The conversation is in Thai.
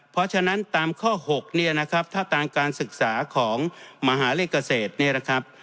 เพราะฉะนั้นตามข้อ๖เนี่ยนะครับถ้าตามการศึกษาของมหาเลขเกษตรเนี่ยนะครับ